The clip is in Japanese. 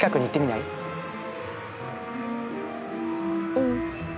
うん。